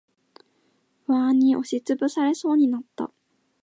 不安に押しつぶされそうになった。